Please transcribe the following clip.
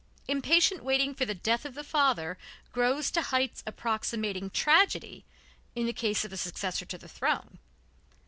Impatient waiting for the death of the father grows to heights approximating tragedy in the case of a successor to the throne.